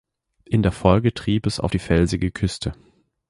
In der Folge trieb es auf die felsige Küste.